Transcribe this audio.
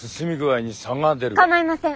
構いません。